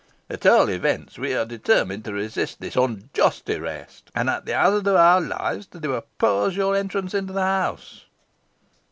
At all events, we are determined to resist this unjust arrest, and, at the hazard of our lives, to oppose your entrance into the house."